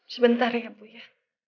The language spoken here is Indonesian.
sebentar ya bu ya